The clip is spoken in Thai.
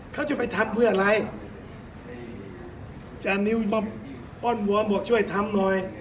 เขาจะไปทำเพื่ออะไรจานิวมาป้อนวัวบอกช่วยทำหน่อย